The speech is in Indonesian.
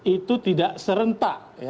itu tidak serentak